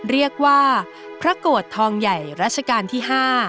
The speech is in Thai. เรียกว่าพระโกรธทองใหญ่รัชกาลที่๕